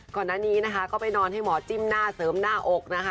ก่อนหน้านี้นะคะก็ไปนอนให้หมอจิ้มหน้าเสริมหน้าอกนะคะ